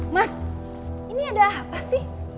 mas ini ada apa sih